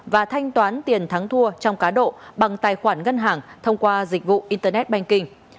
và thanh toán tiền thắng thua trong cá độ bằng tài khoản ngân hàng thông qua dịch vụ internet banking